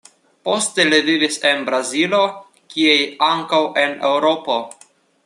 Poste, li vivis en Brazilo kiaj ankaŭ en Eŭropo.